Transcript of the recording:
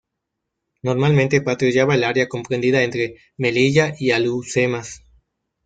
Normalmente patrullaba el área comprendida entre Melilla y Alhucemas.